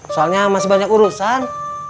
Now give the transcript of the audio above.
soalnya masih banyak urusan